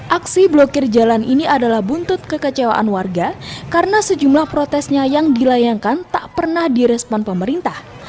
aksi blokir jalan ini adalah buntut kekecewaan warga karena sejumlah protesnya yang dilayangkan tak pernah direspon pemerintah